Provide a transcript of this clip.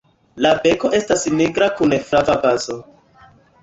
La beko estas nigra kun flava bazo.